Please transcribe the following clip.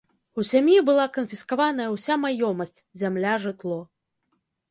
У сям'і была канфіскаваная ўся маёмасць, зямля, жытло.